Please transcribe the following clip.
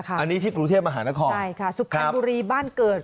อันนี้ที่กรุเทพมหานครครับครับใช่ค่ะสุขันต์บุรีบ้านเกิด